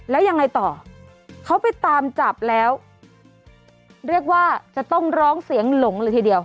แล้วยังไงต่อเขาไปตามจับแล้วเรียกว่าจะต้องร้องเสียงหลงเลยทีเดียว